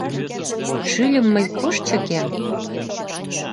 Шӱльым мый куш чыкем?